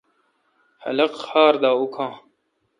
خلق خار دا اوکھا۔